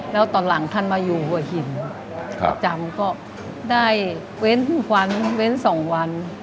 แล้วตอนหลังท่านมาอยู่หัวหินประจำก็ได้เว้นทุกวันเว้น๒วัน